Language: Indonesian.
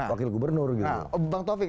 wakil gubernur gitu bang taufik